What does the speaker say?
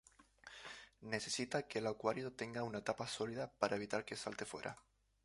Necesita que el acuario tenga una tapa sólida, para evitar que salte fuera.